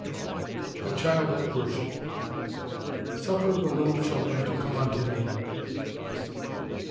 THE CHILD AT WORSHIP "Suffer the little children to come unto Me."